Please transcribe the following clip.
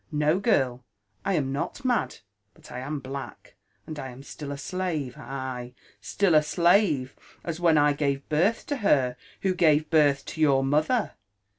'* No, girl, I am nol mad, but I am black, and I am still a slave, — ay; still a slave, as when I gave birth to her who gave birth to your mother.